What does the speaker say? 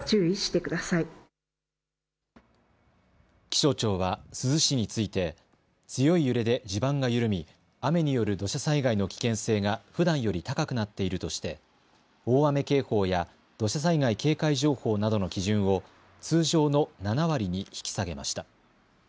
気象庁は珠洲市について強い揺れで地盤が緩み、雨による土砂災害の危険性がふだんより高くなっているとして大雨警報や土砂災害警戒情報などの基準を通常の７割に引き下げました。